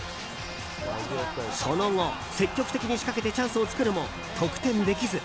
その後、積極的に仕掛けてチャンスを作るも得点できず。